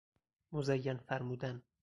مزین فرمودن